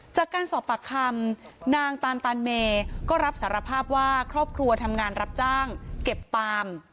จากการสอบปากคำนางตานตานเมก็รับสารภาพว่าครอบครัวทำงานรับจ้างเก็บปาม